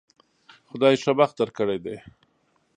خدای ښه بخت درکړی دی